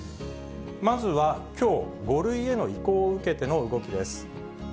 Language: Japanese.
まずはきょう、５類への移行を受けての動きです。